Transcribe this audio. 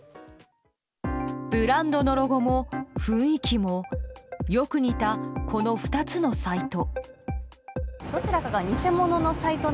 ブランドのロゴも雰囲気もよく似たこの２つのサイト。